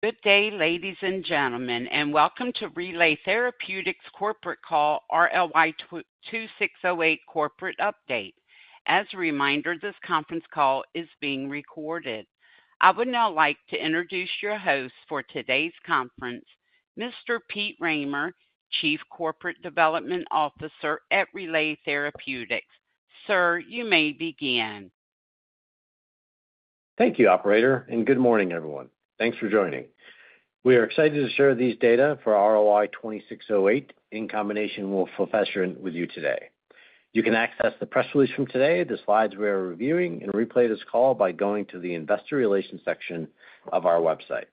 Good day, ladies and gentlemen, and welcome to Relay Therapeutics Corporate Call, RLY-2608 Corporate Update. As a reminder, this conference call is being recorded. I would now like to introduce your host for today's conference, Mr. Peter Rahmer, Chief Corporate Development Officer at Relay Therapeutics. Sir, you may begin. Thank you, operator, and good morning, everyone. Thanks for joining. We are excited to share these data for RLY-2608 in combination with fulvestrant with you today. You can access the press release from today, the slides we are reviewing, and replay this call by going to the investor relations section of our website.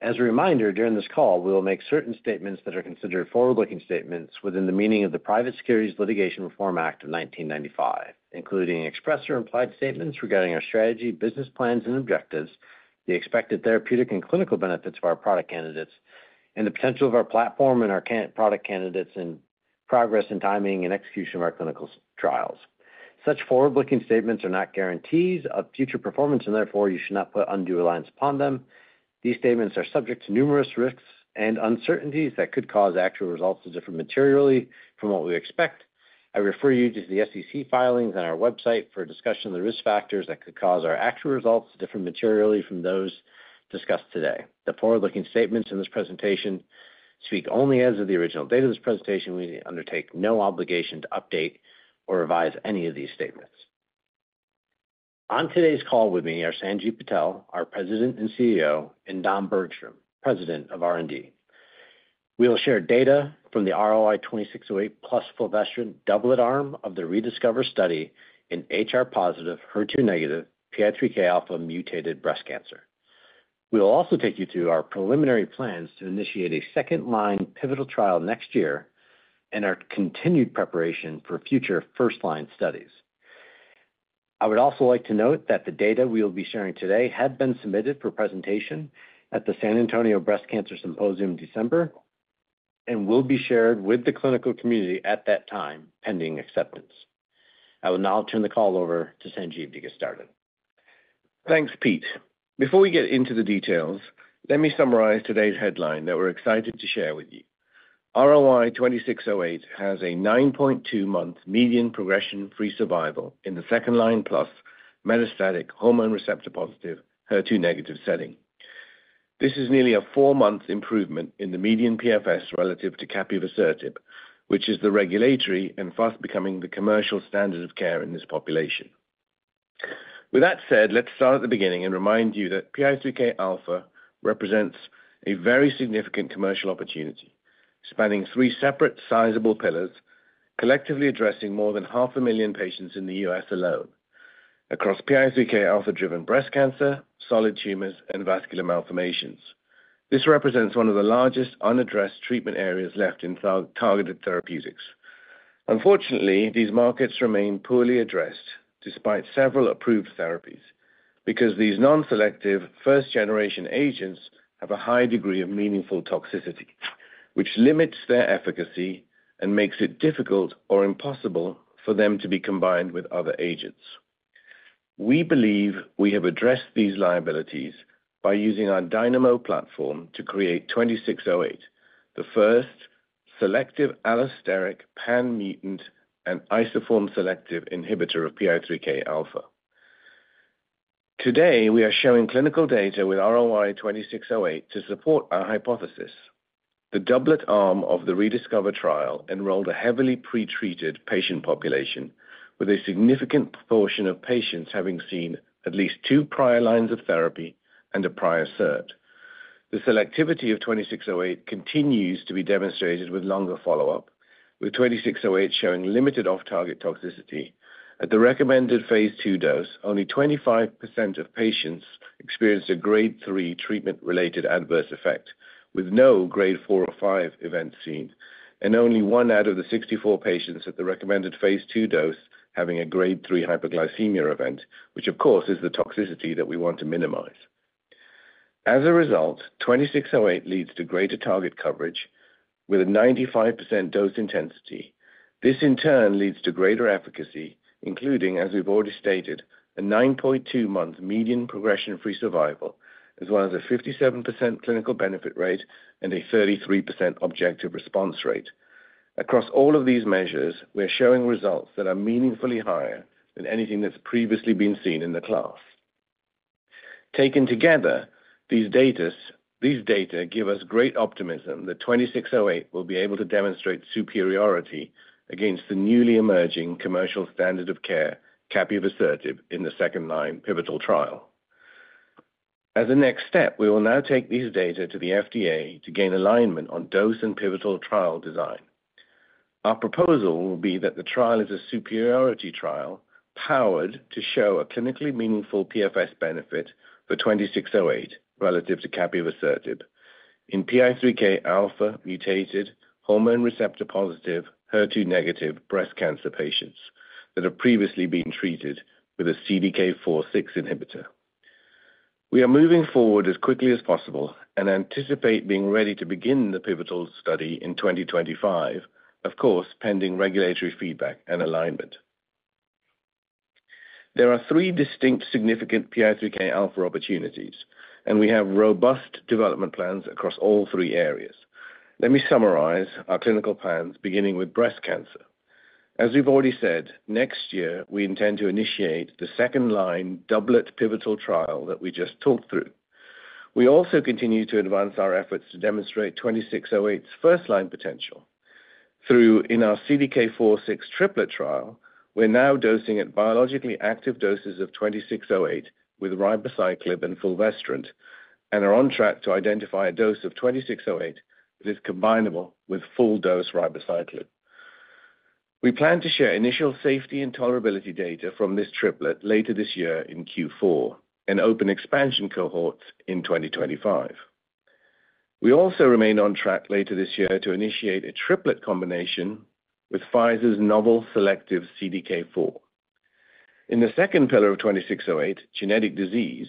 As a reminder, during this call, we will make certain statements that are considered forward-looking statements within the meaning of the Private Securities Litigation Reform Act of 1995, including express or implied statements regarding our strategy, business plans and objectives, the expected therapeutic and clinical benefits of our product candidates, and the potential of our platform and our candidate product candidates' progress and timing and execution of our clinical studies trials. Such forward-looking statements are not guarantees of future performance, and therefore you should not put undue reliance upon them. These statements are subject to numerous risks and uncertainties that could cause actual results to differ materially from what we expect. I refer you to the SEC filings on our website for a discussion of the risk factors that could cause our actual results to differ materially from those discussed today. The forward-looking statements in this presentation speak only as of the original date of this presentation. We undertake no obligation to update or revise any of these statements. On today's call with me are Sanjiv Patel, our President and CEO, and Don Bergstrom, President of R&D. We will share data from the RLY-2608 plus fulvestrant doublet arm of the REDISCOVER study in HR-positive, HER2-negative, PI3K alpha-mutated breast cancer. We will also take you through our preliminary plans to initiate a second-line pivotal trial next year and our continued preparation for future first-line studies. I would also like to note that the data we will be sharing today had been submitted for presentation at the San Antonio Breast Cancer Symposium in December and will be shared with the clinical community at that time, pending acceptance. I will now turn the call over to Sanjiv to get started. Thanks, Peter. Before we get into the details, let me summarize today's headline that we're excited to share with you. RLY-2608 has a 9.2-month median progression-free survival in the second-line plus metastatic hormone receptor-positive, HER2-negative setting. This is nearly a four-month improvement in the median PFS relative to capivasertib, which is the regulatory and fast becoming the commercial standard of care in this population. With that said, let's start at the beginning and remind you that PI3K alpha represents a very significant commercial opportunity, spanning three separate sizable pillars, collectively addressing more than 500,000 patients in the U.S. alone across PI3K alpha-driven breast cancer, solid tumors, and vascular malformations. This represents one of the largest unaddressed treatment areas left in the targeted therapeutics. Unfortunately, these markets remain poorly addressed despite several approved therapies, because these non-selective first-generation agents have a high degree of meaningful toxicity, which limits their efficacy and makes it difficult or impossible for them to be combined with other agents. We believe we have addressed these liabilities by using our Dynamo platform to create RLY-2608, the first selective allosteric pan-mutant and isoform selective inhibitor of PI3K alpha. Today, we are showing clinical data with RLY-2608 to support our hypothesis. The doublet arm of the REDISCOVER trial enrolled a heavily pretreated patient population with a significant portion of patients having seen at least two prior lines of therapy and a prior SERD. The selectivity of RLY-2608 continues to be demonstrated with longer follow-up, with RLY-2608 showing limited off-target toxicity. At the recommended Phase II dose, only 25% of patients experienced a Grade 3 treatment-related adverse effect, with no Grade 4 or 5 events seen, and only 1 out of the 64 patients at the recommended Phase II dose having a Grade 3 hyperglycemia event, which of course, is the toxicity that we want to minimize. As a result, RLY-2608 leads to greater target coverage with a 95% dose intensity. This in turn leads to greater efficacy, including, as we've already stated, a 9.2-month median progression-free survival, as well as a 57% clinical benefit rate and a 33% objective response rate. Across all of these measures, we are showing results that are meaningfully higher than anything that's previously been seen in the class. Taken together, these data give us great optimism that 2608 will be able to demonstrate superiority against the newly emerging commercial standard of care, capivasertib, in the second-line pivotal trial. As a next step, we will now take these data to the FDA to gain alignment on dose and pivotal trial design. Our proposal will be that the trial is a superiority trial powered to show a clinically meaningful PFS benefit for 2608 relative to capivasertib in PI3K alpha-mutated, hormone receptor-positive, HER2-negative breast cancer patients that have previously been treated with a CDK4/6 inhibitor. We are moving forward as quickly as possible and anticipate being ready to begin the pivotal study in 2025, of course, pending regulatory feedback and alignment. There are three distinct significant PI3K alpha opportunities, and we have robust development plans across all three areas. Let me summarize our clinical plans, beginning with breast cancer. As we've already said, next year, we intend to initiate the second-line doublet pivotal trial that we just talked through. We also continue to advance our efforts to demonstrate RLY-2608's first-line potential through our CDK4/6 triplet trial. We're now dosing at biologically active doses of RLY-2608 with ribociclib and fulvestrant, and are on track to identify a dose of RLY-2608 that is combinable with full-dose ribociclib. We plan to share initial safety and tolerability data from this triplet later this year in Q4 and open expansion cohorts in 2025. We also remain on track later this year to initiate a triplet combination with Pfizer's novel selective CDK4. In the second pillar of RLY-2608, genetic disease,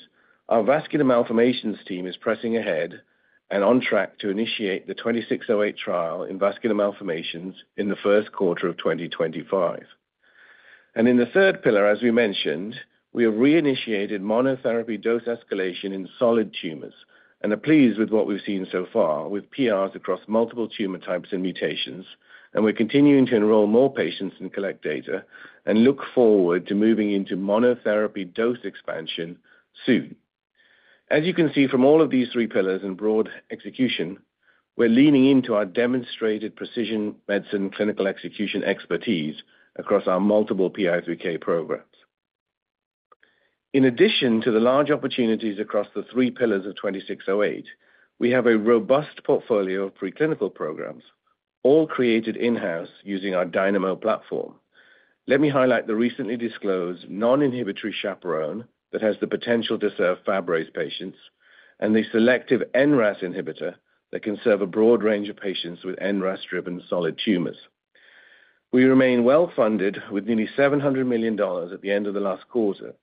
our vascular malformations team is pressing ahead and on track to initiate the RLY-2608 trial in vascular malformations in the first quarter of 2025, and in the third pillar, as we mentioned, we have reinitiated monotherapy dose escalation in solid tumors and are pleased with what we've seen so far with PRs across multiple tumor types and mutations, and we're continuing to enroll more patients and collect data and look forward to moving into monotherapy dose expansion soon. As you can see from all of these three pillars and broad execution, we're leaning into our demonstrated precision medicine clinical execution expertise across our multiple PI3K programs. In addition to the large opportunities across the three pillars of RLY-2608, we have a robust portfolio of preclinical programs, all created in-house using our Dynamo platform. Let me highlight the recently disclosed non-inhibitory chaperone that has the potential to serve Fabry's patients and the selective NRAS inhibitor that can serve a broad range of patients with NRAS-driven solid tumors. We remain well-funded with nearly $700 million at the end of the last quarter.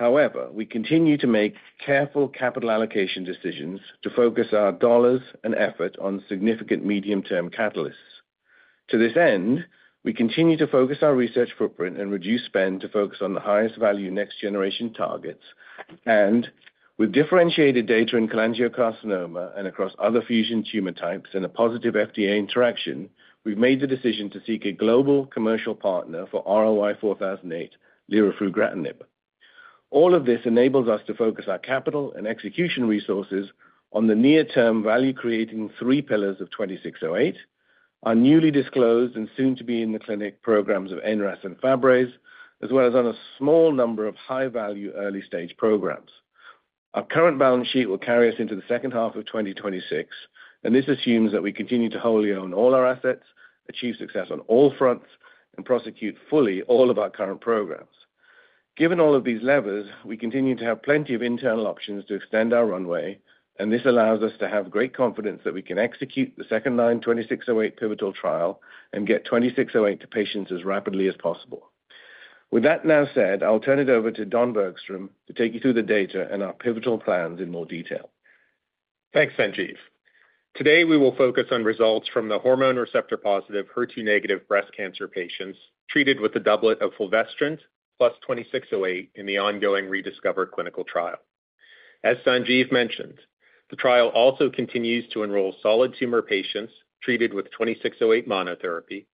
However, we continue to make careful capital allocation decisions to focus our dollars and effort on significant medium-term catalysts. To this end, we continue to focus our research footprint and reduce spend to focus on the highest value next-generation targets, and with differentiated data in cholangiocarcinoma and across other fusion tumor types and a positive FDA interaction, we've made the decision to seek a global commercial partner for RLY-4008, lirafugratinib. All of this enables us to focus our capital and execution resources on the near-term value, creating three pillars of RLY-2608, our newly disclosed and soon-to-be in the clinic programs of NRAS and Fabry's, as well as on a small number of high-value early-stage programs. Our current balance sheet will carry us into the second half of 2026, and this assumes that we continue to wholly own all our assets, achieve success on all fronts, and prosecute fully all of our current programs. Given all of these levers, we continue to have plenty of internal options to extend our runway, and this allows us to have great confidence that we can execute the second-line RLY-2608 pivotal trial and get RLY-2608 to patients as rapidly as possible. With that now said, I'll turn it over to Don Bergstrom to take you through the data and our pivotal plans in more detail. Thanks, Sanjiv. Today, we will focus on results from the hormone receptor-positive, HER2-negative breast cancer patients treated with a doublet of fulvestrant, plus RLY-2608 in the ongoing REDISCOVER clinical trial. As Sanjiv mentioned, the trial also continues to enroll solid tumor patients treated with RLY-2608 monotherapy,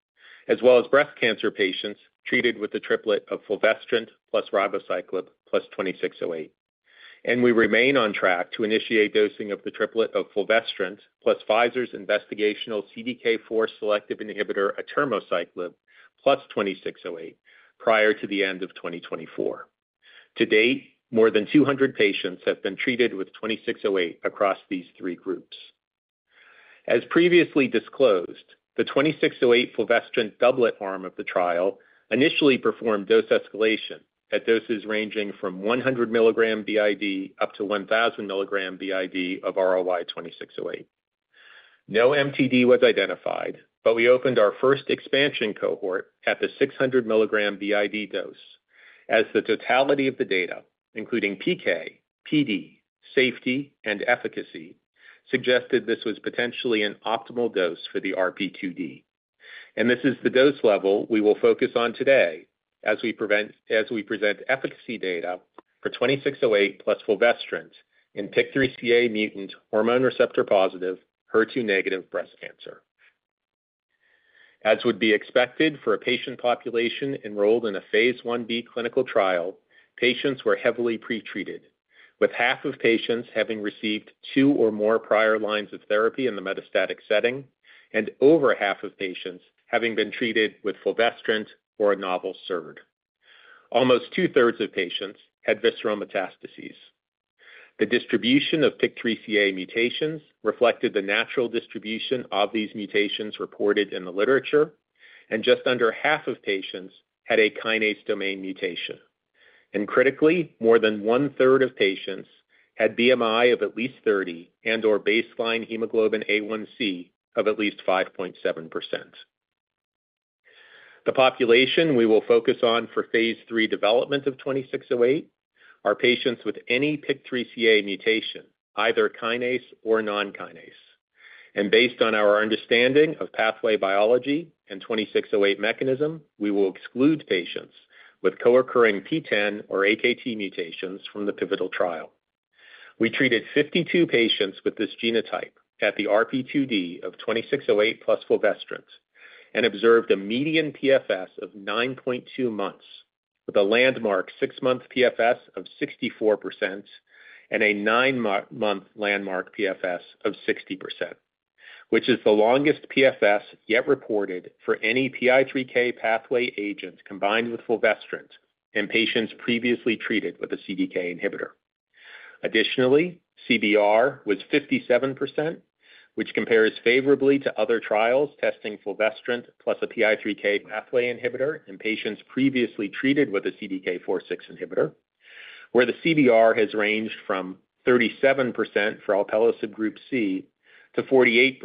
as well as breast cancer patients treated with the triplet of fulvestrant, plus ribociclib, plus RLY-2608, and we remain on track to initiate dosing of the triplet of fulvestrant, plus Pfizer's investigational CDK4 selective inhibitor, atirmociclib, plus RLY-2608, prior to the end of 2024. To date, more than 200 patients have been treated with RLY-2608 across these three groups. As previously disclosed, the RLY-2608 fulvestrant doublet arm of the trial initially performed dose escalation at doses ranging from 100 mg BID up to 1,000 mg BID of RLY-2608. No MTD was identified, but we opened our first expansion cohort at the 600 mg BID dose as the totality of the data, including PK, PD, safety, and efficacy, suggested this was potentially an optimal dose for the RP2D, and this is the dose level we will focus on today as we present efficacy data for RLY-2608 plus fulvestrant in PIK3CA-mutant, hormone receptor-positive, HER2-negative breast cancer. As would be expected for a patient population enrolled in a Phase 1b clinical trial, patients were heavily pretreated, with half of patients having received two or more prior lines of therapy in the metastatic setting, and over half of patients having been treated with fulvestrant or a novel SERD. Almost two-thirds of patients had visceral metastases. The distribution of PIK3CA mutations reflected the natural distribution of these mutations reported in the literature, and just under half of patients had a kinase domain mutation. And critically, more than one-third of patients had BMI of at least thirty and/or baseline hemoglobin A1c of at least 5.7%. The population we will focus on for Phase III development of 2608 are patients with any PIK3CA mutation, either kinase or non-kinase. And based on our understanding of pathway biology and 2608 mechanism, we will exclude patients with co-occurring PTEN or AKT mutations from the pivotal trial. We treated 52 patients with this genotype at the RP2D of RLY-2608 plus fulvestrant, and observed a median PFS of 9.2 months, with a landmark 6-month PFS of 64% and a 9-month landmark PFS of 60%, which is the longest PFS yet reported for any PI3K pathway agent combined with fulvestrant in patients previously treated with a CDK inhibitor. Additionally, CBR was 57%, which compares favorably to other trials testing fulvestrant plus a PI3K pathway inhibitor in patients previously treated with a CDK4/6 inhibitor, where the CBR has ranged from 37% for alpelisib group C to 48%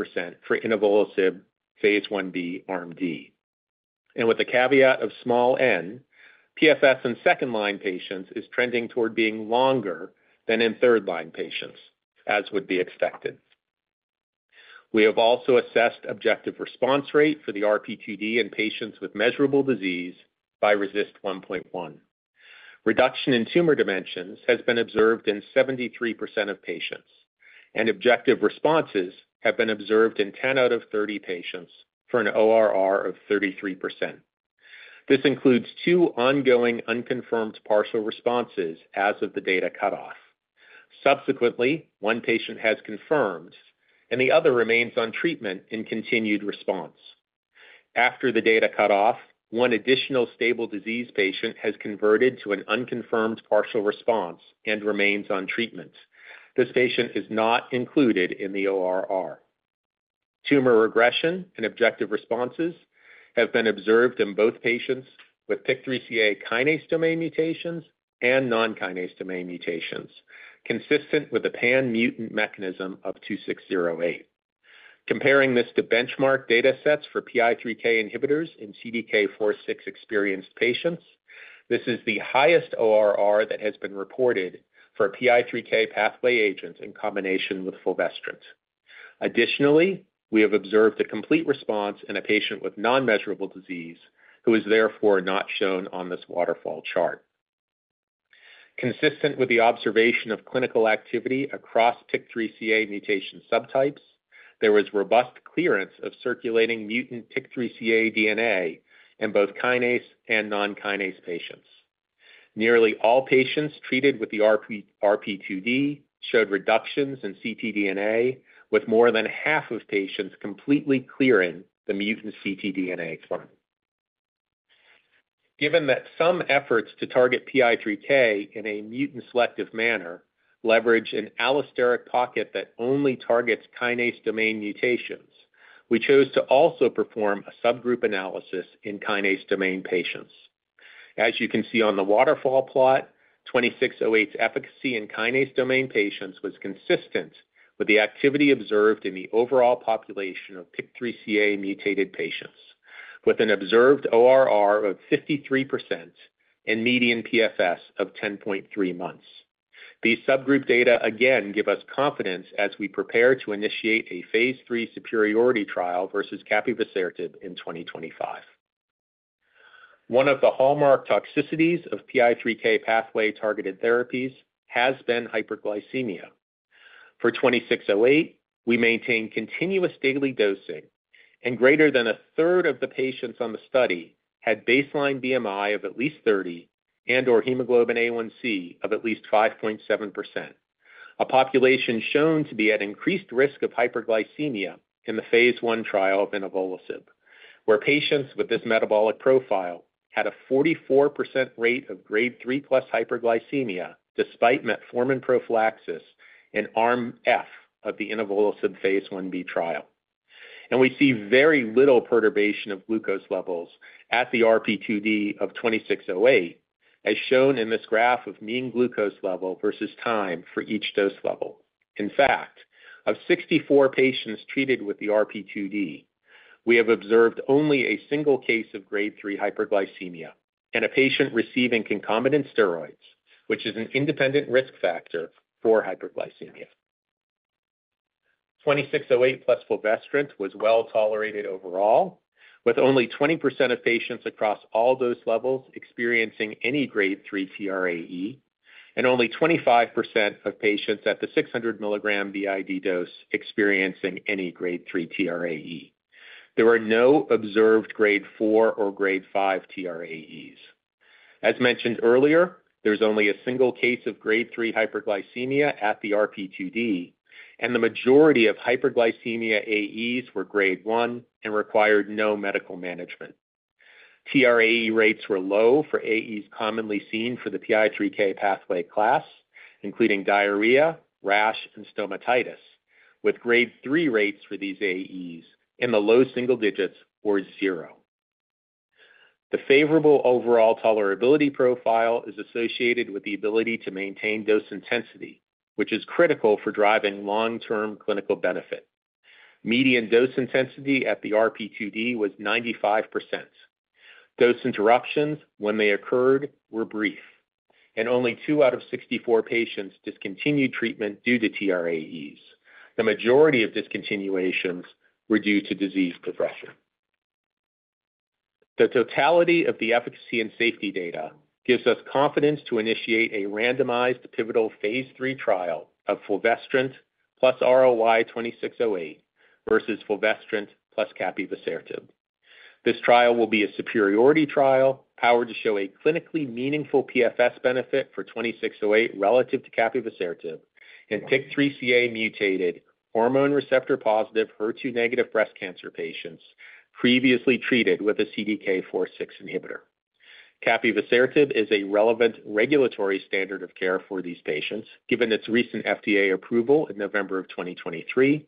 for inavolisib, Phase Ib arm D. And with the caveat of small n, PFS in second-line patients is trending toward being longer than in third-line patients, as would be expected. We have also assessed objective response rate for the RP2D in patients with measurable disease by RECIST 1.1. Reduction in tumor dimensions has been observed in 73% of patients, and objective responses have been observed in 10 out of 30 patients for an ORR of 33%. This includes two ongoing unconfirmed partial responses as of the data cutoff. Subsequently, one patient has confirmed, and the other remains on treatment in continued response. After the data cutoff, one additional stable disease patient has converted to an unconfirmed partial response and remains on treatment. This patient is not included in the ORR. Tumor regression and objective responses have been observed in both patients with PIK3CA kinase domain mutations and non-kinase domain mutations, consistent with the pan-mutant mechanism of RLY-2608. Comparing this to benchmark data sets for PI3K inhibitors in CDK4/6 experienced patients, this is the highest ORR that has been reported for a PI3K pathway agent in combination with fulvestrant. Additionally, we have observed a complete response in a patient with non-measurable disease, who is therefore not shown on this waterfall chart. Consistent with the observation of clinical activity across PIK3CA mutation subtypes, there was robust clearance of circulating mutant PIK3CA DNA in both kinase and non-kinase patients. Nearly all patients treated with the RP2D showed reductions in ctDNA, with more than half of patients completely clearing the mutant ctDNA line. Given that some efforts to target PI3K in a mutant-selective manner leverage an allosteric pocket that only targets kinase domain mutations, we chose to also perform a subgroup analysis in kinase domain patients. As you can see on the waterfall plot, 2608's efficacy in kinase domain patients was consistent with the activity observed in the overall population of PIK3CA mutated patients, with an observed ORR of 53% and median PFS of 10.3 months. These subgroup data again give us confidence as we prepare to initiate a Phase III superiority trial versus capivasertib in 2025. One of the hallmark toxicities of PI3K pathway-targeted therapies has been hyperglycemia. For 2608, we maintain continuous daily dosing, and greater than a third of the patients on the study had baseline BMI of at least 30 and/or hemoglobin A1c of at least 5.7%. A population shown to be at increased risk of hyperglycemia in the Phase I trial of inavolisib, where patients with this metabolic profile had a 44% rate of Grade 3 plus hyperglycemia, despite metformin prophylaxis in arm F of the inavolisib Phase Ib trial, and we see very little perturbation of glucose levels at the RP2D of 2608, as shown in this graph of mean glucose level versus time for each dose level. In fact, of 64 patients treated with the RP2D, we have observed only a single case of Grade 3 hyperglycemia in a patient receiving concomitant steroids, which is an independent risk factor for hyperglycemia. RLY-2608 plus fulvestrant was well tolerated overall, with only 20% of patients across all dose levels experiencing any Grade 3 TRAE, and only 25% of patients at the 600 mg BID dose experiencing any Grade 3 TRAE. There were no observed Grade 4 or Grade 5 TRAEs. As mentioned earlier, there's only a single case of Grade 3 hyperglycemia at the RP2D, and the majority of hyperglycemia AEs were Grade 1 and required no medical management. TRAE rates were low for AEs commonly seen for the PI3K pathway class, including diarrhea, rash, and stomatitis, with Grade 3 rates for these AEs in the low single digits or zero. The favorable overall tolerability profile is associated with the ability to maintain dose intensity, which is critical for driving long-term clinical benefit. Median dose intensity at the RP2D was 95%. Those interruptions, when they occurred, were brief, and only two out of 64 patients discontinued treatment due to TRAEs. The majority of discontinuations were due to disease progression. The totality of the efficacy and safety data gives us confidence to initiate a randomized pivotal Phase III trial of fulvestrant plus RLY-2608 versus fulvestrant plus capivasertib. This trial will be a superiority trial, powered to show a clinically meaningful PFS benefit for 2608 relative to capivasertib in PIK3CA-mutated, hormone receptor-positive, HER2-negative breast cancer patients previously treated with a CDK4/6 inhibitor. Capivasertib is a relevant regulatory standard of care for these patients, given its recent FDA approval in November 2023,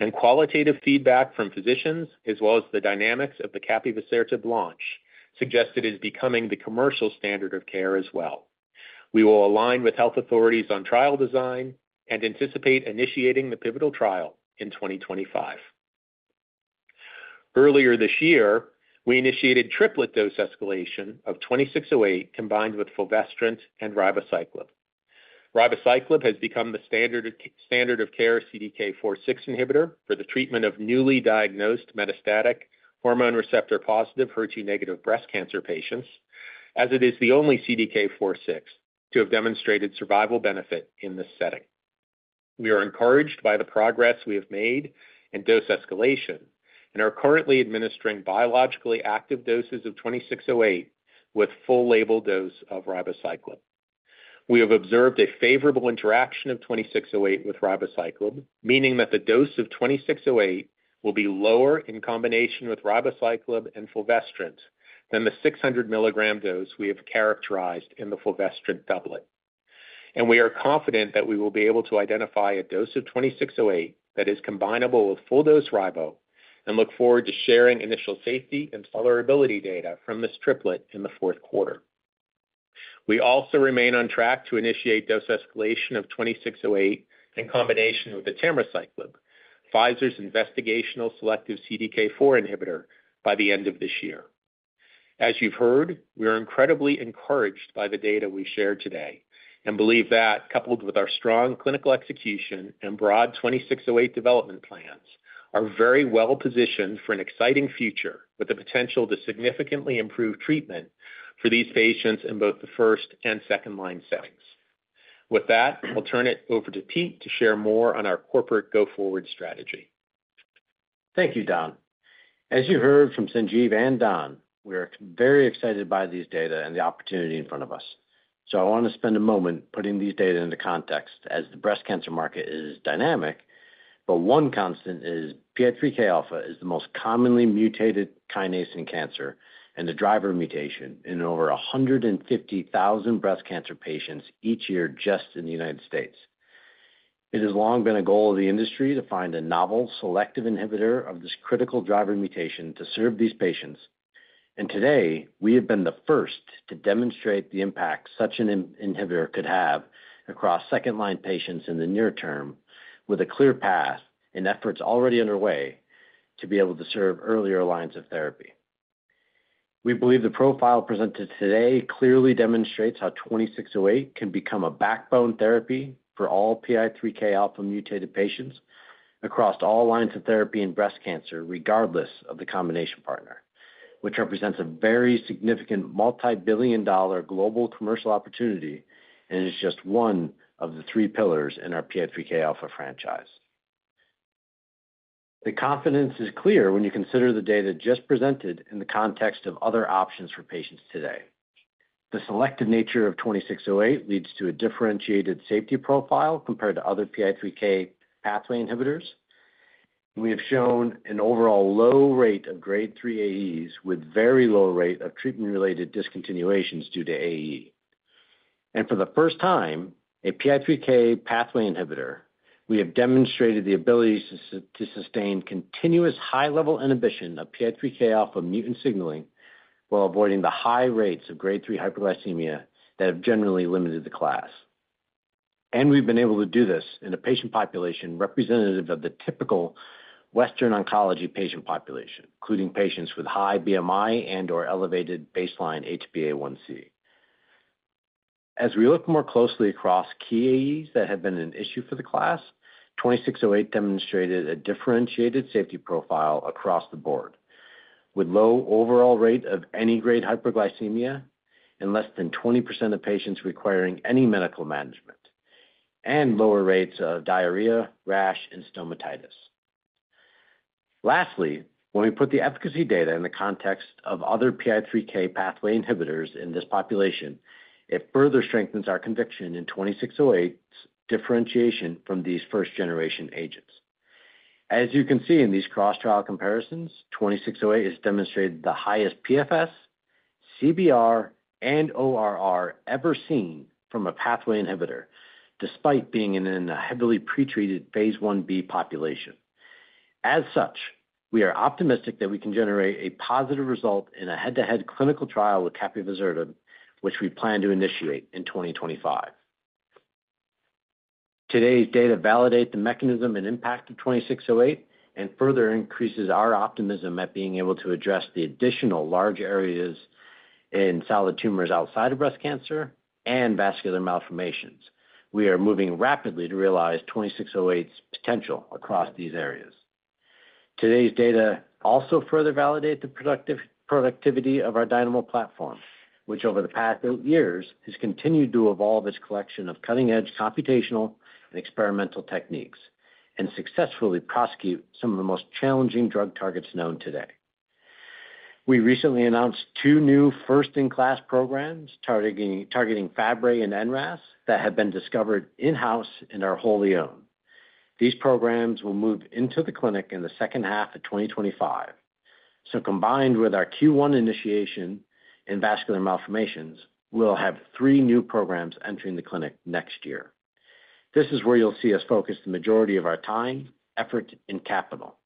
and qualitative feedback from physicians, as well as the dynamics of the capivasertib launch, suggest it is becoming the commercial standard of care as well. We will align with health authorities on trial design and anticipate initiating the pivotal trial in 2025. Earlier this year, we initiated triplet dose escalation of RLY-2608, combined with fulvestrant and ribociclib. ribociclib has become the standard of standard of care CDK4/6 inhibitor for the treatment of newly diagnosed metastatic hormone receptor-positive, HER2-negative breast cancer patients, as it is the only CDK4/6 to have demonstrated survival benefit in this setting. We are encouraged by the progress we have made in dose escalation and are currently administering biologically active doses of RLY-2608 with full label dose of ribociclib. We have observed a favorable interaction of RLY-2608 with ribociclib, meaning that the dose of RLY-2608 will be lower in combination with ribociclib and fulvestrant than the 600 mg dose we have characterized in the fulvestrant doublet. And we are confident that we will be able to identify a dose of RLY-2608 that is combinable with full-dose ribo, and look forward to sharing initial safety and tolerability data from this triplet in the fourth quarter. We also remain on track to initiate dose escalation of RLY-2608 in combination with atirmociclib, Pfizer's investigational selective CDK4 inhibitor, by the end of this year. As you've heard, we are incredibly encouraged by the data we shared today and believe that, coupled with our strong clinical execution and broad RLY-2608 development plans, are very well-positioned for an exciting future with the potential to significantly improve treatment for these patients in both the first and second-line settings. With that, I'll turn it over to Peter to share more on our corporate go-forward strategy. Thank you, Don. As you heard from Sanjiv and Don, we are very excited by these data and the opportunity in front of us. I want to spend a moment putting these data into context as the breast cancer market is dynamic, but one constant is PI3K alpha is the most commonly mutated kinase in cancer and the driver mutation in over 150,000 breast cancer patients each year just in the United States. It has long been a goal of the industry to find a novel, selective inhibitor of this critical driver mutation to serve these patients. Today, we have been the first to demonstrate the impact such an inhibitor could have across second-line patients in the near term, with a clear path and efforts already underway to be able to serve earlier lines of therapy. We believe the profile presented today clearly demonstrates how RLY-2608 can become a backbone therapy for all PI3K alpha-mutated patients across all lines of therapy in breast cancer, regardless of the combination partner, which represents a very significant multibillion-dollar global commercial opportunity and is just one of the three pillars in our PI3K alpha franchise. The confidence is clear when you consider the data just presented in the context of other options for patients today. The selective nature of RLY-2608 leads to a differentiated safety profile compared to other PI3K pathway inhibitors. We have shown an overall low rate of Grade 3 AEs, with very low rate of treatment-related discontinuations due to AE. For the first time, a PI3K pathway inhibitor, we have demonstrated the ability to sustain continuous high-level inhibition of PI3K alpha mutant signaling, while avoiding the high rates of Grade 3 hyperglycemia that have generally limited the class. We've been able to do this in a patient population representative of the typical Western oncology patient population, including patients with high BMI and/or elevated baseline HbA1c. As we look more closely across key AEs that have been an issue for the class, 2608 demonstrated a differentiated safety profile across the board, with low overall rate of any grade hyperglycemia and less than 20% of patients requiring any medical management, and lower rates of diarrhea, rash, and stomatitis. Lastly, when we put the efficacy data in the context of other PI3K pathway inhibitors in this population, it further strengthens our conviction in RLY-2608's differentiation from these first-generation agents. As you can see in these cross-trial comparisons, RLY-2608 has demonstrated the highest PFS, CBR, and ORR ever seen from a pathway inhibitor, despite being in a heavily pretreated Phase Ib population. As such, we are optimistic that we can generate a positive result in a head-to-head clinical trial with capivasertib, which we plan to initiate in 2025. Today's data validate the mechanism and impact of RLY-2608, and further increases our optimism at being able to address the additional large areas in solid tumors outside of breast cancer and vascular malformations. We are moving rapidly to realize RLY-2608's potential across these areas. Today's data also further validate the productivity of our Dynamo platform, which over the past years has continued to evolve its collection of cutting-edge computational and experimental techniques, and successfully prosecute some of the most challenging drug targets known today. We recently announced two new first-in-class programs targeting Fabry and NRAS that have been discovered in-house and are wholly owned. These programs will move into the clinic in the second half of 2025. So combined with our Q1 initiation in vascular malformations, we'll have three new programs entering the clinic next year. This is where you'll see us focus the majority of our time, effort, and capital.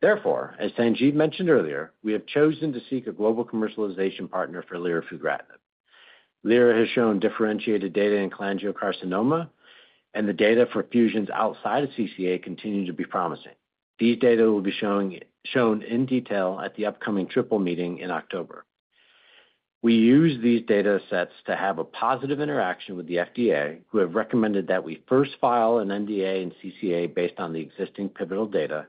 Therefore, as Sanjiv mentioned earlier, we have chosen to seek a global commercialization partner for lirafugratinib. Lira has shown differentiated data in cholangiocarcinoma, and the data for fusions outside of CCA continue to be promising. These data will be shown in detail at the upcoming Triple Meeting in October. We use these data sets to have a positive interaction with the FDA, who have recommended that we first file an NDA in CCA based on the existing pivotal data,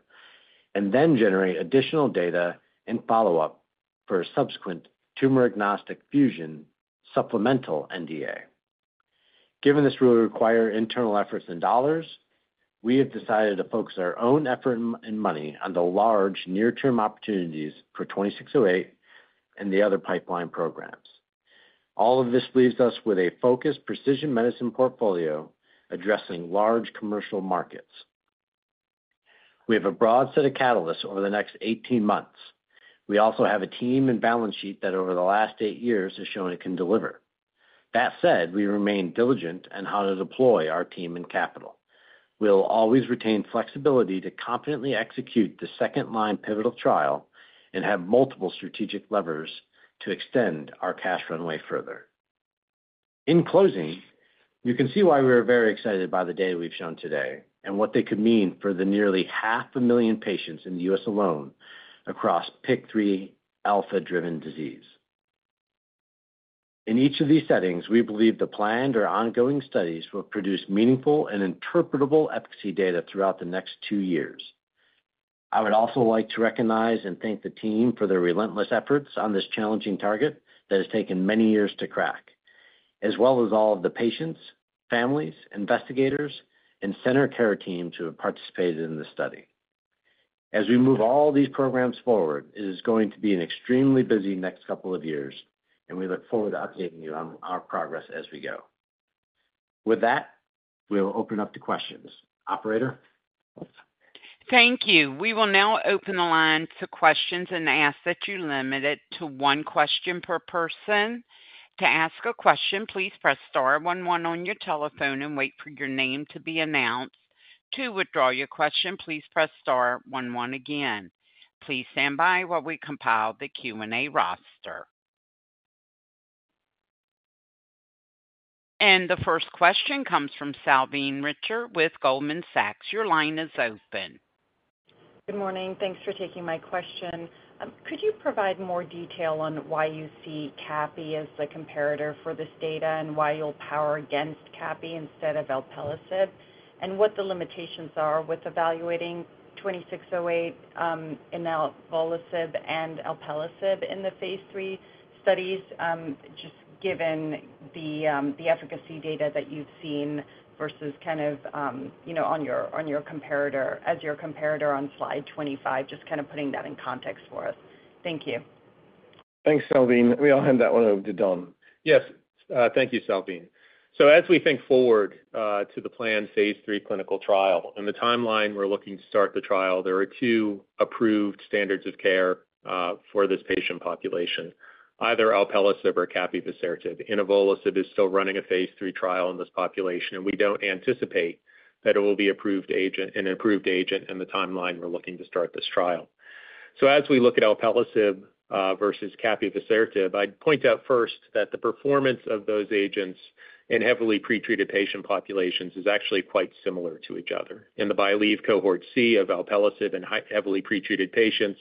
and then generate additional data and follow-up for a subsequent tumor-agnostic fusion supplemental NDA. Given this will require internal efforts and dollars, we have decided to focus our own effort and money on the large near-term opportunities for 2608 and the other pipeline programs. All of this leaves us with a focused precision medicine portfolio addressing large commercial markets. We have a broad set of catalysts over the next eighteen months. We also have a team and balance sheet that over the last eight years, has shown it can deliver. That said, we remain diligent on how to deploy our team and capital. We'll always retain flexibility to confidently execute the second-line pivotal trial and have multiple strategic levers to extend our cash runway further. In closing, you can see why we are very excited by the data we've shown today and what they could mean for the nearly 500,000 patients in the U.S. alone across PI3K alpha-driven disease. In each of these settings, we believe the planned or ongoing studies will produce meaningful and interpretable efficacy data throughout the next two years. I would also like to recognize and thank the team for their relentless efforts on this challenging target that has taken many years to crack, as well as all of the patients, families, investigators, and center care teams who have participated in this study. As we move all these programs forward, it is going to be an extremely busy next couple of years, and we look forward to updating you on our progress as we go. With that, we'll open up to questions. Operator? Thank you. We will now open the line to questions and ask that you limit it to one question per person. To ask a question, please press star one one on your telephone and wait for your name to be announced. To withdraw your question, please press star one one again. Please stand by while we compile the Q&A roster. And the first question comes from Salveen Richter with Goldman Sachs. Your line is open. Good morning. Thanks for taking my question. Could you provide more detail on why you see capivasertib as the comparator for this data and why you'll power against capivasertib instead of alpelisib, and what the limitations are with evaluating RLY-2608, inavolisib and alpelisib in the Phase 3 studies, just given the efficacy data that you've seen versus kind of, you know, on your comparator, as your comparator on Slide 25, just kind of putting that in context for us. Thank you. Thanks, Salveen. We'll hand that one over to Don. Yes, thank you, Salveen. So as we think forward to the planned Phase 3 clinical trial and the timeline we're looking to start the trial, there are two approved standards of care for this patient population, either alpelisib or capivasertib. Inavolisib is still running a Phase 3 trial in this population, and we don't anticipate that it will be an approved agent in the timeline we're looking to start this trial. So as we look at alpelisib versus capivasertib, I'd point out first that the performance of those agents in heavily pretreated patient populations is actually quite similar to each other. In the BYLieve Cohort C of alpelisib in heavily pretreated patients,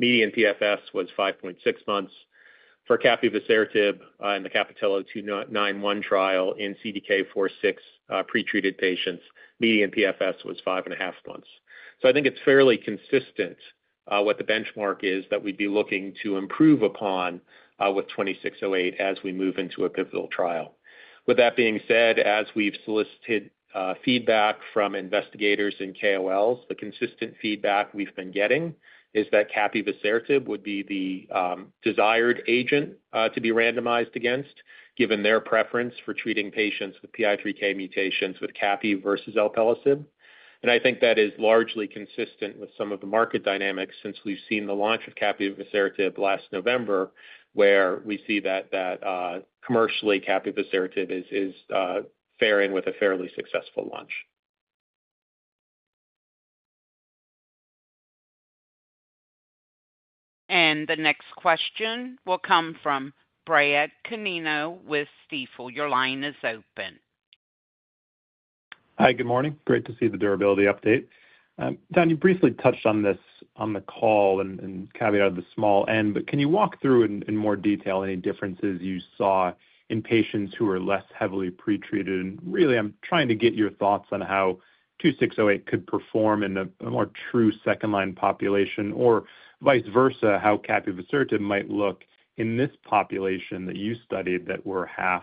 median PFS was five point six months. For capivasertib in the CAPItello-291 trial in CDK4/6 pretreated patients, median PFS was five and a half months. So I think it's fairly consistent what the benchmark is that we'd be looking to improve upon with 2608 as we move into a pivotal trial. With that being said, as we've solicited feedback from investigators and KOLs, the consistent feedback we've been getting is that capivasertib would be the desired agent to be randomized against, given their preference for treating patients with PI3K mutations with capi versus alpelisib. And I think that is largely consistent with some of the market dynamics since we've seen the launch of capivasertib last November, where we see that commercially, capivasertib is faring with a fairly successful launch. ... And the next question will come from Brad Canino with Stifel. Your line is open. Hi, good morning. Great to see the durability update. Don, you briefly touched on this on the call and caveat at the small end, but can you walk through in more detail any differences you saw in patients who are less heavily pretreated? And really, I'm trying to get your thoughts on how RLY-2608 could perform in a more true second line population, or vice versa, how capivasertib might look in this population that you studied that were half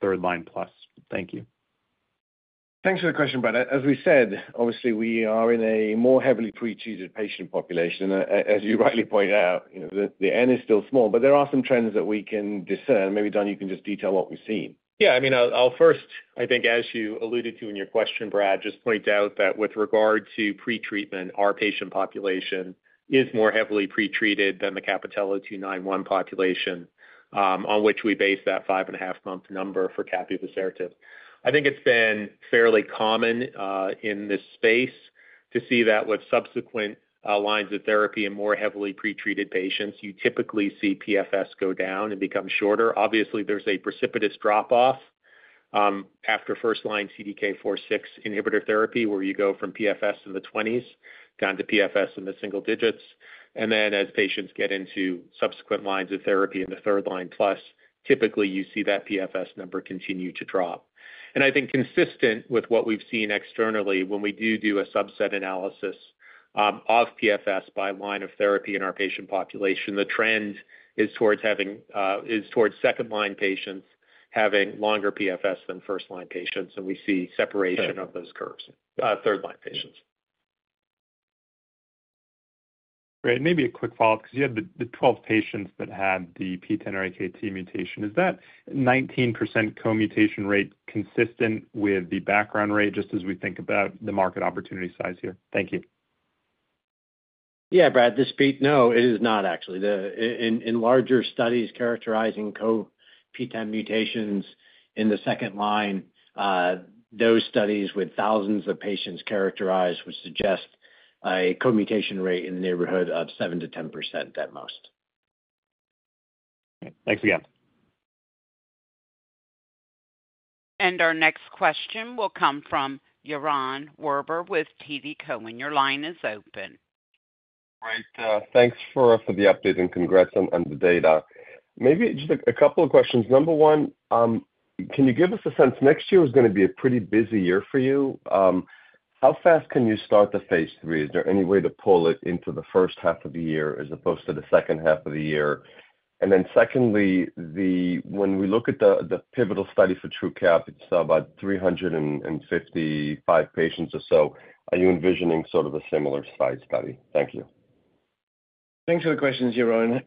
third line plus. Thank you. Thanks for the question, Brad. As we said, obviously, we are in a more heavily pretreated patient population. As you rightly point out, you know, the N is still small, but there are some trends that we can discern. Maybe, Don, you can just detail what we've seen. Yeah, I mean, I'll first, I think, as you alluded to in your question, Brad, just point out that with regard to pretreatment, our patient population is more heavily pretreated than the CAPItello-291 population, on which we base that five and a half month number for capivasertib. I think it's been fairly common, in this space to see that with subsequent, lines of therapy in more heavily pretreated patients, you typically see PFS go down and become shorter. Obviously, there's a precipitous drop off, after first line CDK4/6 inhibitor therapy, where you go from PFS in the twenties down to PFS in the single digits. And then as patients get into subsequent lines of therapy in the third line plus, typically you see that PFS number continue to drop. I think consistent with what we've seen externally, when we do a subset analysis of PFS by line of therapy in our patient population, the trend is towards second line patients having longer PFS than first line patients, and we see separation of those curves, third line patients. Great. Maybe a quick follow-up, 'cause you had the twelve patients that had the PTEN or AKT mutation. Is that 19% co-mutation rate consistent with the background rate, just as we think about the market opportunity size here? Thank you. Yeah, Brad, this is Peter. No, it is not actually. In larger studies characterizing co-PTEN mutations in the second line, those studies with thousands of patients characterized would suggest a co-mutation rate in the neighborhood of 7% to 10% at most. Thanks again. Our next question will come from Yaron Werber with TD Cowen. Your line is open. Great, thanks for the update and congrats on the data. Maybe just a couple of questions. Number one, can you give us a sense. Next year is gonna be a pretty busy year for you. How fast can you start the Phase 3? Is there any way to pull it into the first half of the year as opposed to the second half of the year? And then secondly, when we look at the pivotal study for Truqap, it's about 355 patients or so. Are you envisioning sort of a similar size study? Thank you. Thanks for the questions, Yaron.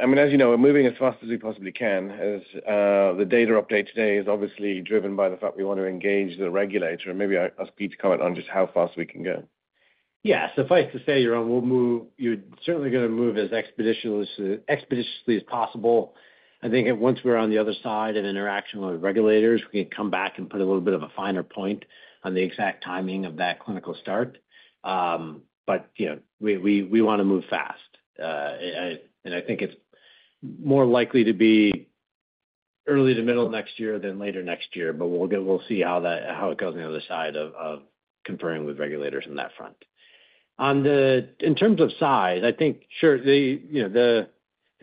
I mean, as you know, we're moving as fast as we possibly can. As the data update today is obviously driven by the fact we want to engage the regulator. Maybe I'll ask Peter to comment on just how fast we can go. Yeah, suffice to say, Yaron, we'll move as expeditiously as possible. I think once we're on the other side of interaction with regulators, we can come back and put a little bit of a finer point on the exact timing of that clinical start. But, you know, we want to move fast. And I think it's more likely to be early to middle next year than later next year, but we'll see how it goes on the other side of conferring with regulators on that front. In terms of size, I think, sure, you know, the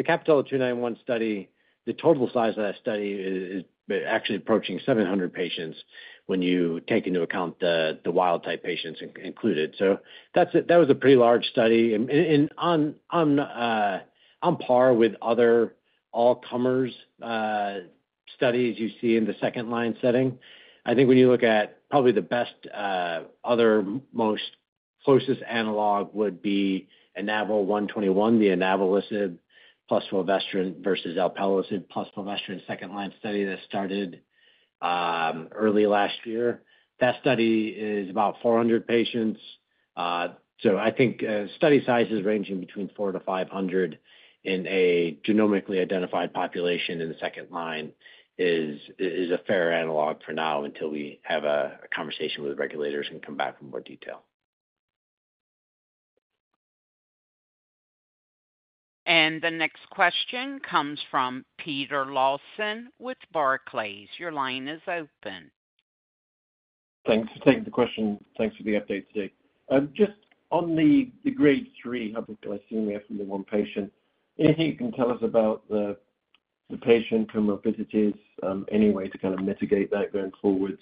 CAPItello-291 study, the total size of that study is actually approaching 700 patients when you take into account the wild type patients included. So that was a pretty large study. And on par with other all-comers studies you see in the second line setting. I think when you look at probably the best other most closest analog would be INAVO121, the inavolisib plus fulvestrant versus alpelisib plus fulvestrant second line study that started early last year. That study is about 400 patients. So I think study sizes ranging between 400-500 in a genomically identified population in the second line is a fair analog for now until we have a conversation with the regulators and come back with more detail. The next question comes from Peter Lawson with Barclays. Your line is open. Thanks. Thanks for the question. Thanks for the update today. Just on the Grade 3 hyperglycemia from the one patient, anything you can tell us about the patient and what visits, any way to kind of mitigate that going forwards?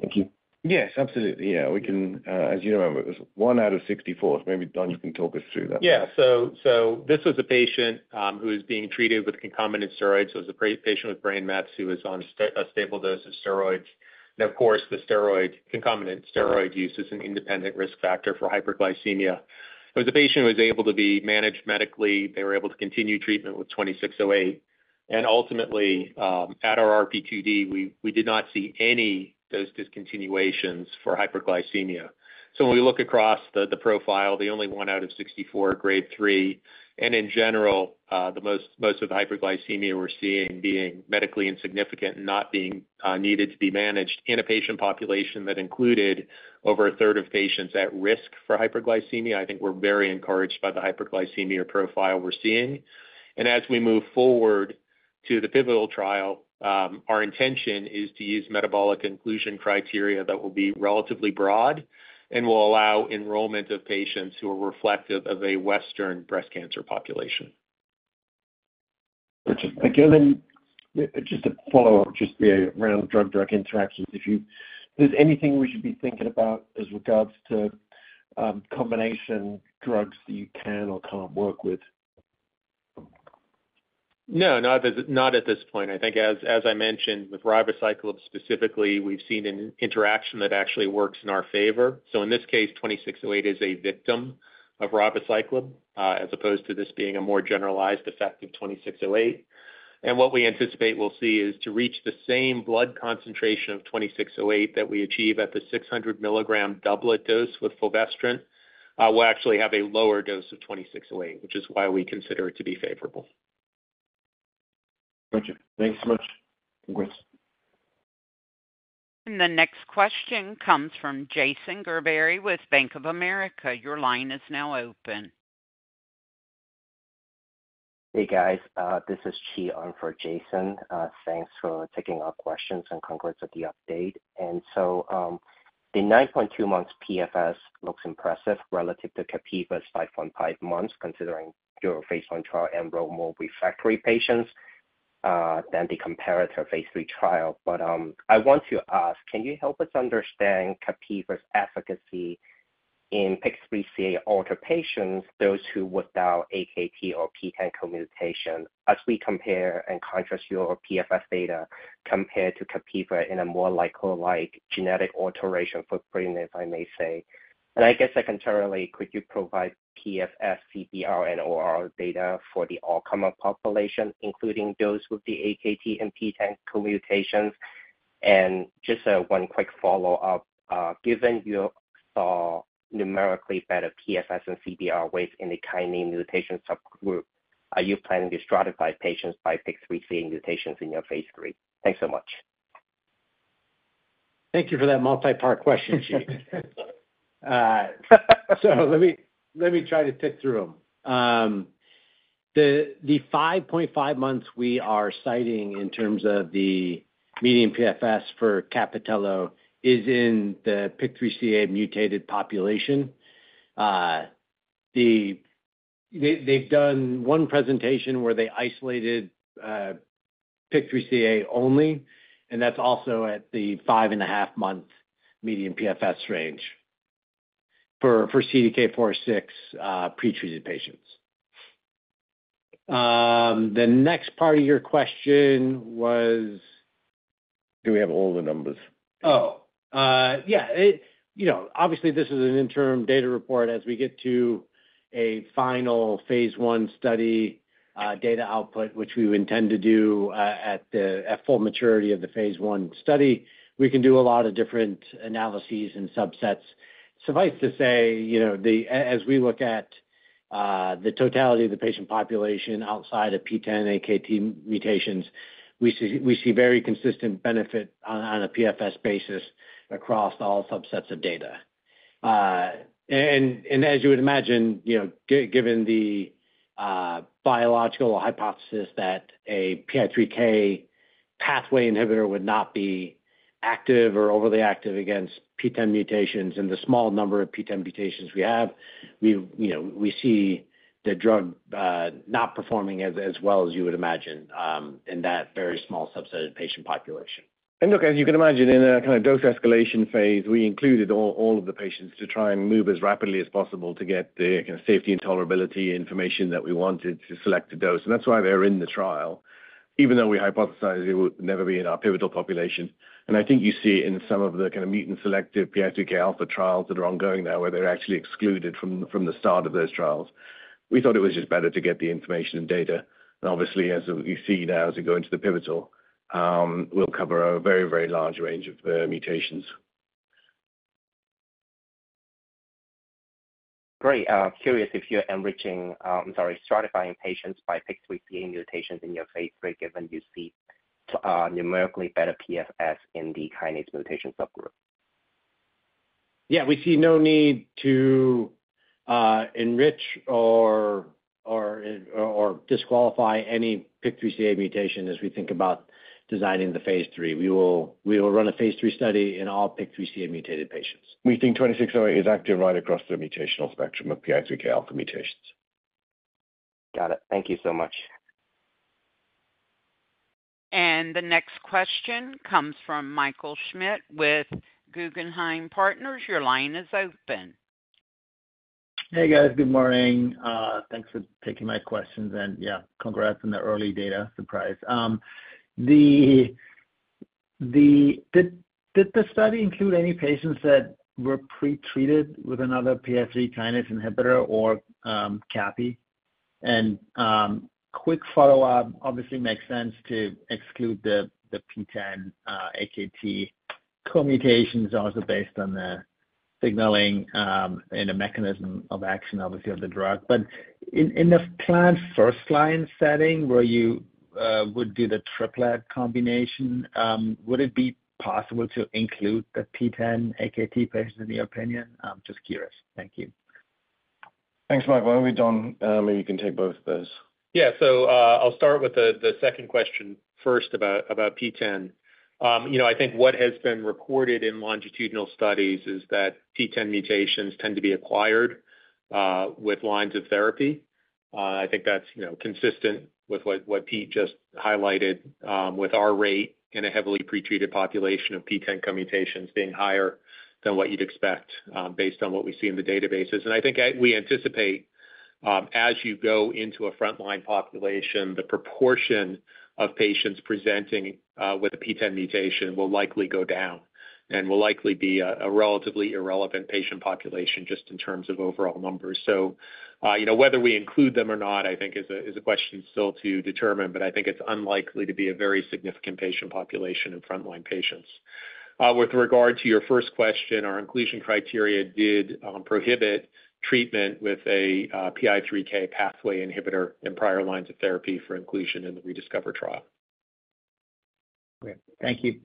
Thank you. Yes, absolutely. Yeah, we can, as you remember, it was one out of sixty-four. Maybe, Don, you can talk us through that. Yeah. So this was a patient who was being treated with concomitant steroids. So it was a great patient with brain mets who was on a stable dose of steroids. And of course, the steroid, concomitant steroid use is an independent risk factor for hyperglycemia. But the patient was able to be managed medically. They were able to continue treatment with RLY-2608. And ultimately, at our RPTD, we did not see any dose discontinuations for hyperglycemia. So when we look across the profile, the only one out of 64 Grade 3, and in general, the most of the hyperglycemia we're seeing being medically insignificant and not being needed to be managed in a patient population that included over a third of patients at risk for hyperglycemia. I think we're very encouraged by the hyperglycemia profile we're seeing. As we move forward to the pivotal trial, our intention is to use metabolic inclusion criteria that will be relatively broad and will allow enrollment of patients who are reflective of a Western breast cancer population. Richard, thank you. Then just a follow-up, just around drug-drug interactions. If you-- there's anything we should be thinking about as regards to, combination drugs that you can or can't work with? No, not at this point. I think as I mentioned, with ribociclib specifically, we've seen an interaction that actually works in our favor. So in this case, 2608 is a victim of ribociclib, as opposed to this being a more generalized effect of 2608. And what we anticipate we'll see is to reach the same blood concentration of 2608 that we achieve at the 600 milligram doublet dose with fulvestrant, we'll actually have a lower dose of 2608, which is why we consider it to be favorable. Gotcha. Thanks so much. Congrats. The next question comes from Jason Gerberry with Bank of America. Your line is now open. Hey, guys, this is Chi on for Jason. Thanks for taking our questions and congrats with the update. So, the nine point two months PFS looks impressive relative to capivasertib's five point five months, considering your Phase I trial enrolled more refractory patients than the comparator Phase III trial. But I want to ask, can you help us understand capivasertib's efficacy in PIK3CA altered patients, those without AKT or PTEN mutation, as we compare and contrast your PFS data compared to capivasertib in a more like-for-like genetic alteration footprint, if I may say? And I guess secondarily, could you provide PFS, CBR, and ORR data for the all comer population, including those with the AKT and PTEN mutations? And just one quick follow-up. Given you saw numerically better PFS and CBR rates in the kinase mutation subgroup, are you planning to stratify patients by PIK3CA mutations in your phase III? Thanks so much. Thank you for that multi-part question, Chi. So let me, let me try to pick through them. The five point five months we are citing in terms of the median PFS for capivasertib is in the PIK3CA mutated population. They, they've done one presentation where they isolated PIK3CA only, and that's also at the five and a half month median PFS range for CDK four six pretreated patients. The next part of your question was- Do we have all the numbers? You know, obviously, this is an interim data report as we get to a final Phase I study data output, which we intend to do at full maturity of the Phase I study. We can do a lot of different analyses and subsets. Suffice to say, you know, as we look at the totality of the patient population outside of PTEN and AKT mutations, we see very consistent benefit on a PFS basis across all subsets of data. As you would imagine, you know, given the biological hypothesis that a PI3K pathway inhibitor would not be active or overly active against PTEN mutations and the small number of PTEN mutations we have, we, you know, we see the drug not performing as well as you would imagine in that very small subset of patient population. And look, as you can imagine, in a kind of dose escalation Phase, we included all of the patients to try and move as rapidly as possible to get the kind of safety and tolerability information that we wanted to select a dose, and that's why they're in the trial. Even though we hypothesized it would never be in our pivotal population, and I think you see in some of the kind of mutant selective PI3K alpha trials that are ongoing now, where they're actually excluded from the start of those trials. We thought it was just better to get the information and data. And obviously, as you see now, as we go into the pivotal, we'll cover a very, very large range of mutations. Great. Curious if you're enriching, stratifying patients by PIK3CA mutations in your Phase III, given you see numerically better PFS in the kinase mutation subgroup? Yeah, we see no need to enrich or disqualify any PIK3CA mutation as we think about designing the Phase III. We will run a Phase III study in all PIK3CA mutated patients. We think 2608 is active right across the mutational spectrum of PI3K alpha mutations. Got it. Thank you so much. And the next question comes from Michael Schmidt with Guggenheim Partners. Your line is open. Hey, guys. Good morning. Thanks for taking my questions. And, yeah, congrats on the early data surprise. Did the study include any patients that were pretreated with another PI3 kinase inhibitor or capivasertib? And quick follow-up, obviously makes sense to exclude the PTEN AKT mutations, also based on the signaling and the mechanism of action, obviously, of the drug. But in the planned first line setting, where you would do the triplet combination, would it be possible to include the PTEN AKT patients, in your opinion? I'm just curious. Thank you.... Thanks, Michael. Maybe Don, maybe you can take both of those. Yeah. So, I'll start with the second question first about PTEN. You know, I think what has been reported in longitudinal studies is that PTEN mutations tend to be acquired with lines of therapy. I think that's, you know, consistent with what Peter just highlighted, with our rate in a heavily pretreated population of PTEN co-mutations being higher than what you'd expect, based on what we see in the databases. And I think we anticipate, as you go into a frontline population, the proportion of patients presenting with a PTEN mutation will likely go down and will likely be a relatively irrelevant patient population, just in terms of overall numbers. So, you know, whether we include them or not, I think is a question still to determine, but I think it's unlikely to be a very significant patient population in frontline patients. With regard to your first question, our inclusion criteria did prohibit treatment with a PI3K pathway inhibitor in prior lines of therapy for inclusion in the REDISCOVER trial. Great. Thank you.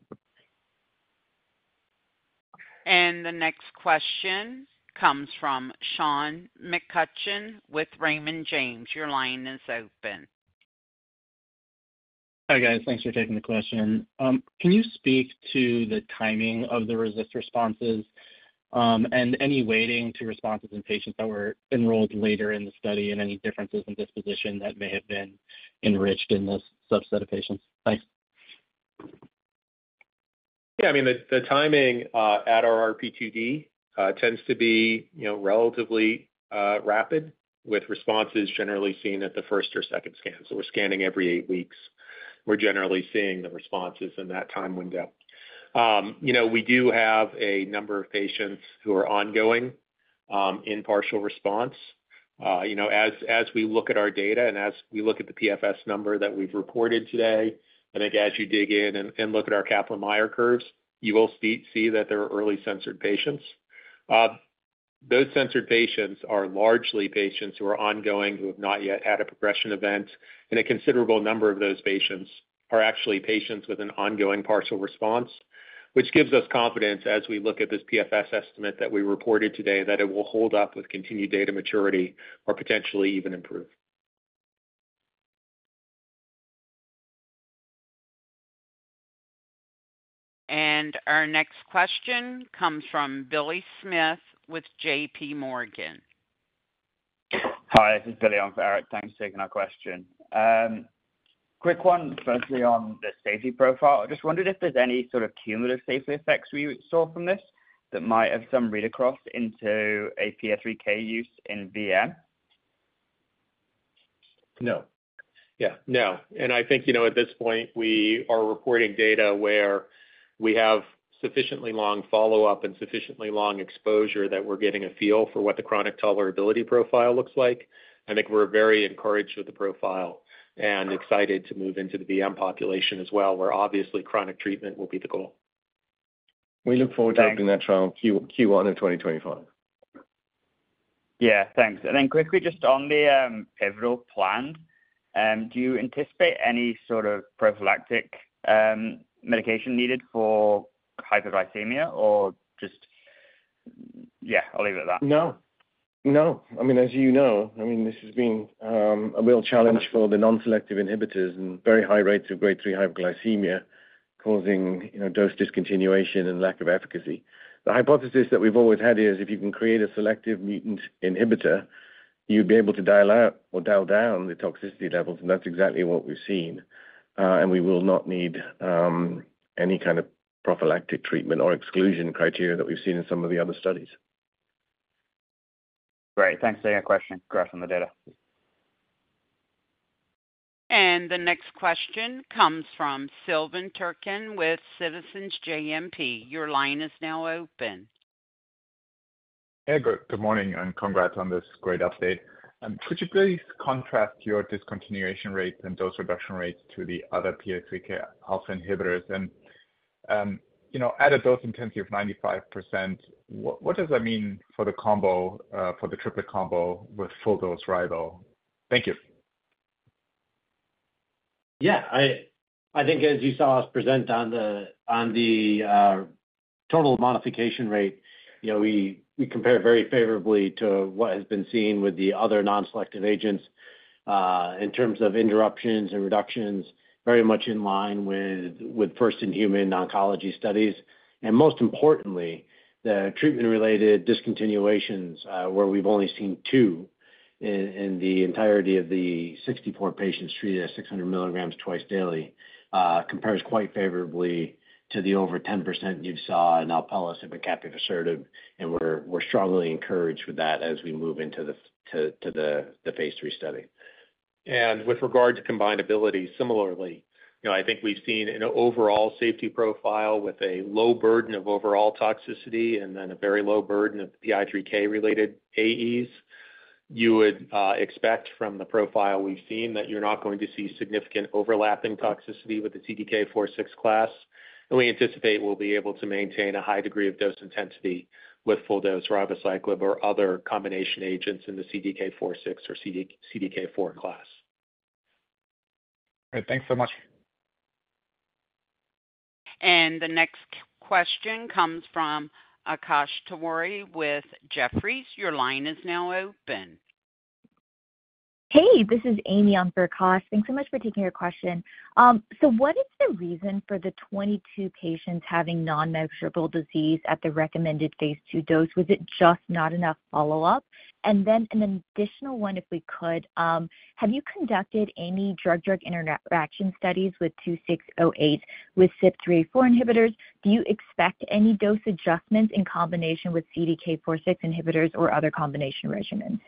The next question comes from Sean McCutcheon with Raymond James. Your line is open. Hi, guys. Thanks for taking the question. Can you speak to the timing of the RECIST responses, and any weighting to responses in patients that were enrolled later in the study, and any differences in disposition that may have been enriched in this subset of patients? Thanks. Yeah, I mean, the timing at our R&D tends to be, you know, relatively rapid, with responses generally seen at the first or second scan. So we're scanning every eight weeks. We're generally seeing the responses in that time window. You know, we do have a number of patients who are ongoing in partial response. You know, as we look at our data and as we look at the PFS number that we've reported today, I think as you dig in and look at our Kaplan-Meier curves, you will see that there are early censored patients. Those censored patients are largely patients who are ongoing, who have not yet had a progression event, and a considerable number of those patients are actually patients with an ongoing partial response, which gives us confidence as we look at this PFS estimate that we reported today, that it will hold up with continued data maturity or potentially even improve. Our next question comes from Billy Smith with JPMorgan. Hi, this is Billy. I'm for Eric. Thanks for taking our question. Quick one, firstly, on the safety profile. I just wondered if there's any sort of cumulative safety effects we saw from this that might have some read-across into a PI3K use in VM? No. Yeah. No, and I think, you know, at this point, we are reporting data where we have sufficiently long follow-up and sufficiently long exposure that we're getting a feel for what the chronic tolerability profile looks like. I think we're very encouraged with the profile and excited to move into the VM population as well, where obviously chronic treatment will be the goal. We look forward to opening that trial Q1 of 2025. Yeah, thanks. And then quickly, just on the pivotal plan, do you anticipate any sort of prophylactic medication needed for hyperglycemia or just... Yeah, I'll leave it at that. No. No. I mean, as you know, I mean, this has been a real challenge for the non-selective inhibitors and very high rates of Grade 3 hyperglycemia, causing, you know, dose discontinuation and lack of efficacy. The hypothesis that we've always had is, if you can create a selective mutant inhibitor, you'd be able to dial out or dial down the toxicity levels, and that's exactly what we've seen. And we will not need any kind of prophylactic treatment or exclusion criteria that we've seen in some of the other studies. Great. Thanks for taking our question. Congrats on the data. The next question comes from Silvan Tuerkcan with Citizens JMP. Your line is now open. Hey, good morning, and congrats on this great update. Could you please contrast your discontinuation rates and dose reduction rates to the other PI3K alpha inhibitors? You know, at a dose intensity of 95%, what does that mean for the combo, for the triplet combo with full dose ribo? Thank you. Yeah, I think as you saw us present on the total modification rate, you know, we compare very favorably to what has been seen with the other non-selective agents in terms of interruptions and reductions, very much in line with first-in-human oncology studies. And most importantly, the treatment-related discontinuations, where we've only seen two in the entirety of the 64 patients treated at 600 milligrams twice daily, compares quite favorably to the over 10% you saw in alpelisib, and we're strongly encouraged with that as we move into the Phase 3 study. With regard to combinability, similarly, you know, I think we've seen an overall safety profile with a low burden of overall toxicity and then a very low burden of PI3K-related AEs. You would expect from the profile we've seen, that you're not going to see significant overlapping toxicity with the CDK4/6 class. And we anticipate we'll be able to maintain a high degree of dose intensity with full dose ribociclib or other combination agents in the CDK4/6 or CDK4 class. Great. Thanks so much.... And the next question comes from Akash Tewari with Jefferies. Your line is now open. Hey, this is Amy on for Akash. Thanks so much for taking our question. So what is the reason for the 22 patients having non-measurable disease at the recommended Phase II dose? Was it just not enough follow-up? And then an additional one, if we could. Have you conducted any drug-drug interaction studies with 2608 with CYP3A4 inhibitors? Do you expect any dose adjustments in combination with CDK4/6 inhibitors or other combination regimens?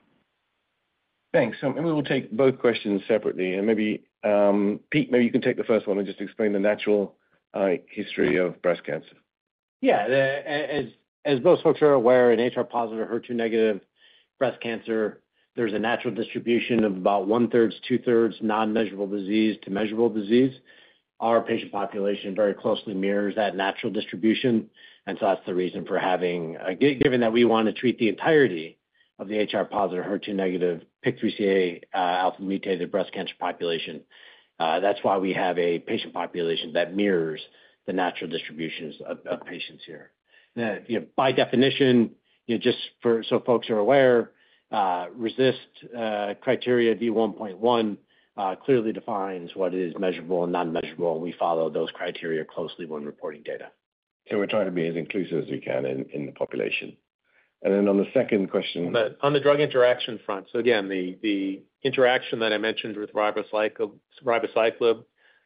Thanks, and we will take both questions separately. And maybe, Peter, maybe you can take the first one and just explain the natural history of breast cancer. Yeah, as most folks are aware, in HR positive, HER2 negative breast cancer, there's a natural distribution of about one-third, two-thirds non-measurable disease to measurable disease. Our patient population very closely mirrors that natural distribution, and so that's the reason for having given that we want to treat the entirety of the HR positive, HER2 negative, PIK3CA alpha mutated breast cancer population. That's why we have a patient population that mirrors the natural distribution of patients here. You know, by definition, you know, just so folks are aware, RECIST 1.1 clearly defines what is measurable and non-measurable, and we follow those criteria closely when reporting data. So we're trying to be as inclusive as we can in the population. And then on the second question- On the drug interaction front, so again, the interaction that I mentioned with ribociclib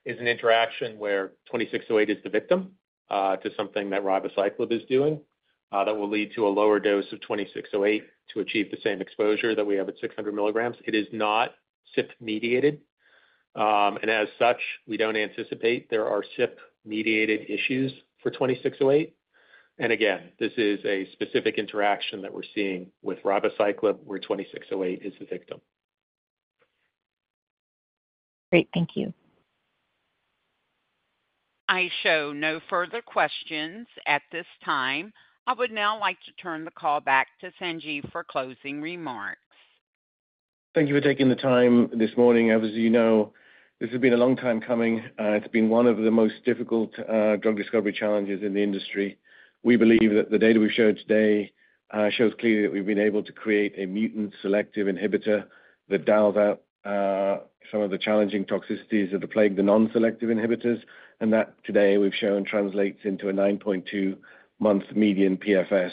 is an interaction where 2608 is the victim to something that ribociclib is doing that will lead to a lower dose of 2608 to achieve the same exposure that we have at 600 milligrams. It is not CYP-mediated. And as such, we don't anticipate there are CYP-mediated issues for 2608. And again, this is a specific interaction that we're seeing with ribociclib, where 2608 is the victim. Great. Thank you. I see no further questions at this time. I would now like to turn the call back to Sanjiv for closing remarks. Thank you for taking the time this morning. As you know, this has been a long time coming. It's been one of the most difficult drug discovery challenges in the industry. We believe that the data we've showed today shows clearly that we've been able to create a mutant-selective inhibitor that dials out some of the challenging toxicities that have plagued the non-selective inhibitors, and that today we've shown translates into a 9.2-month median PFS,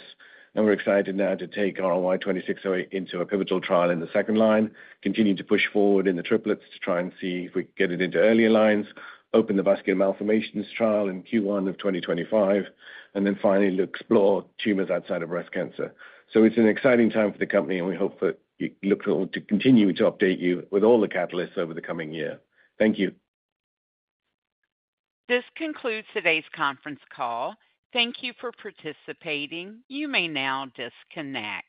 and we're excited now to take RLY-2608 into a pivotal trial in the second line, continuing to push forward in the triplets to try and see if we can get it into earlier lines, open the vascular malformations trial in Q1 of 2025, and then finally to explore tumors outside of breast cancer. So it's an exciting time for the company, and we hope that we look forward to continuing to update you with all the catalysts over the coming year. Thank you. This concludes today's conference call. Thank you for participating. You may now disconnect.